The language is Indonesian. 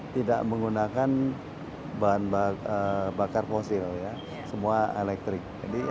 tidak menggunakan bahan bakar fosil semua elektrik